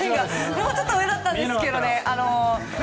もうちょっと上だったんですけどね。